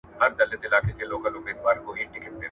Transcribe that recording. زه به اوږده موده د سبا لپاره د کور کارونه وکړم.